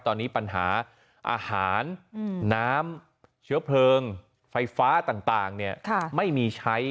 ตอนนี้ปัญหาอาหารน้ำเชื้อเพลิงไฟฟ้าต่างไม่มีใช้